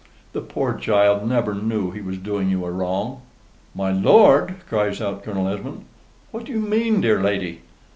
"The poor child never knew he was doing you a wrong." "My lord!" cries out Colonel Esmond. "What do you mean, dear lady?"